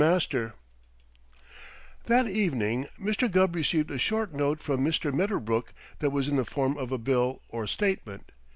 MASTER That evening Mr. Gubb received a short note from Mr. Medderbrook that was in the form of a bill or statement.